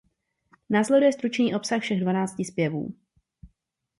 Následuje stručný obsah všech dvanácti zpěvů.